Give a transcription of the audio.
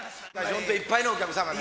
本当にいっぱいのお客さんが。